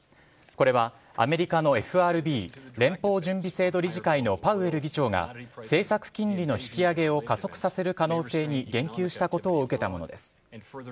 これはアメリカのＦＲＢ・連邦準備制度理事会のパウエル議長が、政策金利の引き上げを加速させる可能性に言及したことを受けたものです。